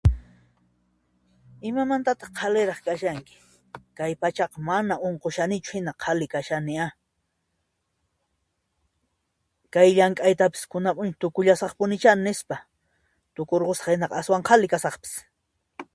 Imamantataq qhaliraq kashani, kay pachaqa mana unqushanichu hina qhali kashani a, kay llank'aytapis kunan p'unchay tukurqusaqpunichá hina aswan qhali kasaq.